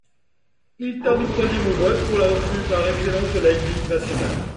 Il termine troisième au vote pour la recrue par excellence de la Ligue nationale.